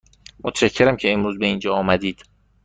متشکرم که امروز به اینجا آمدید.